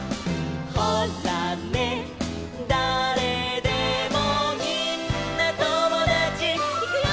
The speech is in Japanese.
「ほらね誰でもみんなともだち」いくよ！